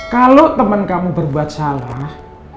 kalau teman kamu berbuat salah